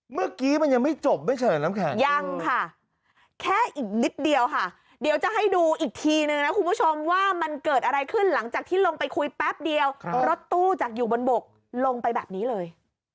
เมื่อกี้มันยังไม่จบไม่เฉินน้ำแข็งยังค่ะแค่อีกนิดเดียวค่ะเดี๋ยวจะให้ดูอีกทีนึงนะคุณผู้ชมว่ามันเกิดอะไรขึ้นหลังจากที่ลงไปคุยแป๊บเดียวรถตู้จากอยู่บนบกลงไปแบบนี้เลย